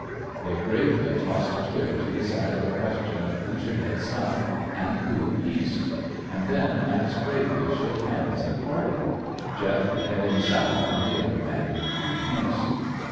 They gravely tossed a twig to decide the question of who should head south and who east; and then as gravely shook hands and parted, Jeff heading south and the other man due east.